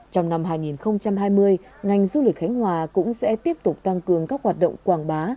trong năm hai nghìn hai mươi ngành du lịch khánh hòa cũng sẽ tiếp tục tăng cường các hoạt động quảng bá